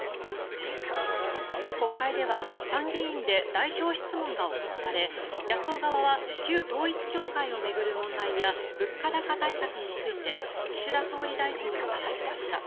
国会では参議院で代表質問が行われ野党側は旧統一教会を巡る問題や物価高対策について岸田総理大臣をただしました。